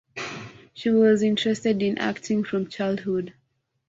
She was interested in acting from childhood.